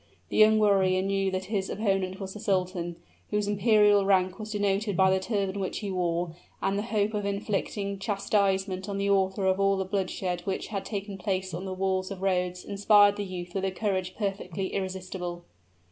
The young warrior knew that his opponent was the sultan, whose imperial rank was denoted by the turban which he wore; and the hope of inflicting chastisement on the author of all the bloodshed which had taken place on the walls of Rhodes inspired the youth with a courage perfectly irresistible.